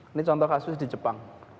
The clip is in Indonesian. ini contoh kasus di jepang